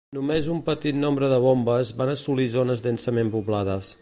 Només un petit nombre de bombes van assolir zones densament poblades.